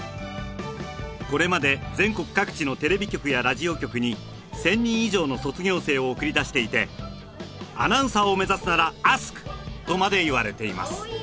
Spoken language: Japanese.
これまで全国各地のテレビ局やラジオ局に１０００人以上の卒業生を送り出していてアナウンサーを目指すならアスク！とまで言われています